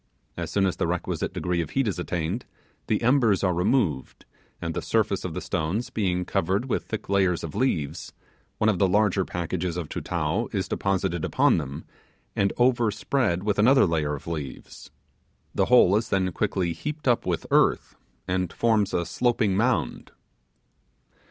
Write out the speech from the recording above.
As soon as the requisite degree of heat is attained, the embers are removed, and the surface of the stones being covered with thick layers of leaves, one of the large packages of Tutao is deposited upon them and overspread with another layer of leaves. The whole is then quickly heaped up with earth, and forms a sloping mound.